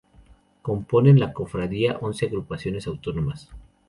Componen la Cofradía once agrupaciones autónomas.